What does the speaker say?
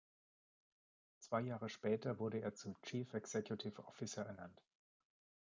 Zwei Jahre später wurde er zum Chief Executive Officer ernannt.